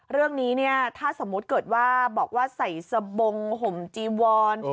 เรื่องนี้เนี่ยถ้าสมมุติเกิดว่าบอกว่าใส่สบงห่มจีวอน